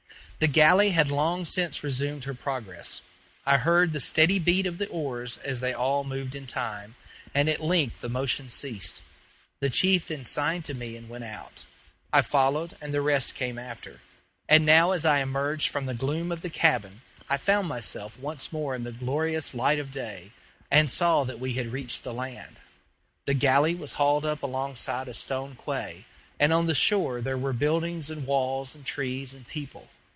The galley had long since resumed her progress. I heard the steady beat of the oars as they all moved in time, and at length the motion ceased. The chief then signed to me and went out. I followed, and the rest came after. And now as I emerged from the gloom of the cabin, I found myself once more in the glorious light of day, and saw that we had reached the land. The galley was hauled up alongside a stone quay, and on the shore there were buildings and walls and trees and people.